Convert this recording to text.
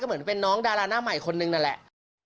เหมือนเป็นน้องดาราหน้าใหม่คนนึงนั่นแหละ